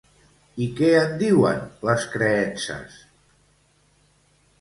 I què en diuen les creences?